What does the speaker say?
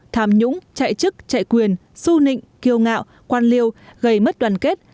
tham nhũng chạy chức chạy quyền su nịnh kiêu ngạo quan liêu gây mất đoàn kết